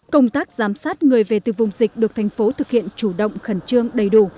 công tác giám sát người về từ vùng dịch được thành phố thực hiện chủ động khẩn trương đầy đủ